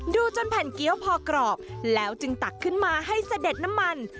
ดูจนแผ่นเกี้ยวพอกรอบแล้วจึงตักขึ้นมาให้เสด็จน้ำมัน